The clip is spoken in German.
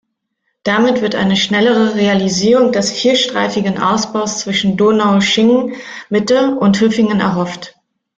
Damit wird eine schnellere Realisierung des vierstreifigen Ausbaus zwischen Donaueschingen-Mitte und Hüfingen erhofft.